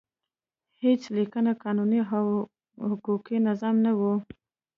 هېڅ لیکلی قانون او حقوقي نظام نه و.